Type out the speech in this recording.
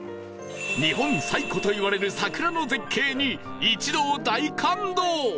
日本最古といわれる桜の絶景に一同大感動